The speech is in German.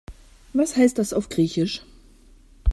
Was heißt das auf Griechisch?